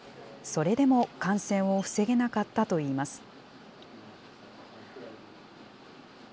それでも感染を防げなかったといいます。